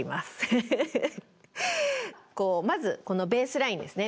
まずこのベースラインですね。